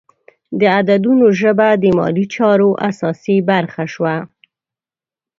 د عددونو ژبه د مالي چارو اساسي برخه شوه.